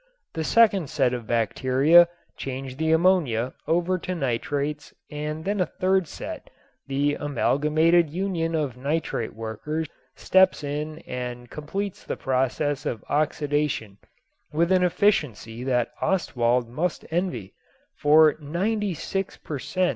The second set of bacteria change the ammonia over to nitrites and then a third set, the Amalgamated Union of Nitrate Workers, steps in and completes the process of oxidation with an efficiency that Ostwald might envy, for ninety six per cent.